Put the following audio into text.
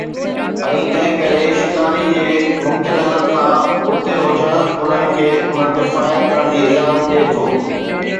۽ تنهنڪري شڪاري جي نقطي نظر کان اتي هجڻ انهن کي ان تي فائر ڪرڻ جي اجازت ڏئي ٿو